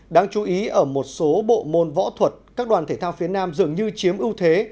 đáng chú ý ở một số bộ môn võ thuật các đoàn thể thao phía nam dường như chiếm ưu thế